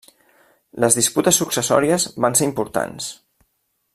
Les disputes successòries van ser importants.